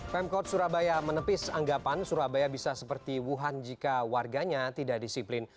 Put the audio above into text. pemkot surabaya menepis anggapan surabaya bisa seperti wuhan jika warganya tidak disiplin